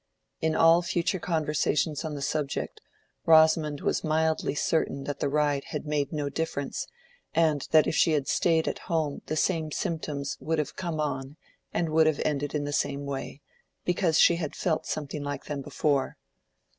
In all future conversations on the subject, Rosamond was mildly certain that the ride had made no difference, and that if she had stayed at home the same symptoms would have come on and would have ended in the same way, because she had felt something like them before.